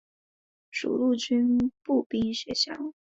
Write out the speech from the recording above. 配属陆军步兵学校。